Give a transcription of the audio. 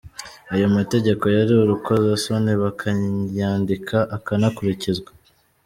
Ayo mategeko yari urukozasoni bakayandika akanakurikizwa.